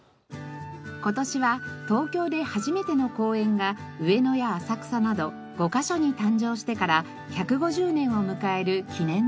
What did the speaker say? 今年は東京で初めての公園が上野や浅草など５カ所に誕生してから１５０年を迎える記念の年。